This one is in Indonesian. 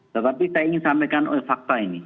tetapi saya ingin sampaikan fakta ini